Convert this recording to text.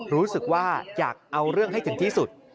รู้สึกว่าอยากเอาเรื่องให้ถึงที่สุด